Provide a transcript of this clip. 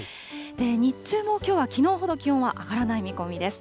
日中もきょうは、きのうほど気温は上がらない見込みです。